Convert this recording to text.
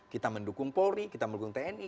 kita mendukung polri kita mendukung tni